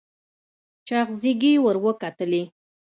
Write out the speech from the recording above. چاغ زيږې ور وکتلې.